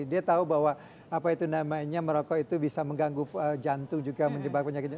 dia tahu bahwa apa itu namanya merokok itu bisa mengganggu jantung juga menyebabkan penyakit jantung